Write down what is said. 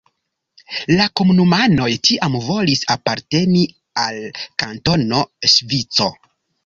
La komunumanoj tiam volis aparteni al Kantono Ŝvico.